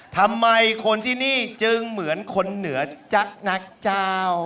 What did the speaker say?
ทำไมคนที่นี่จึงเหมือนคนเหนือจักรนักเจ้า